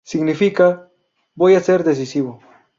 Significa: ""voy a ser decisivo.